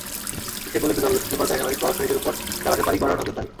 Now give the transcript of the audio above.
ইচ্ছা করলেই তো জলদস্যু কিংবা ডায়নামাইটস বহনকারীদের ওপর চালাতে পারি কড়া নজরদারি।